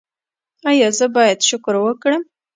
ایا زه باید شکر وکړم؟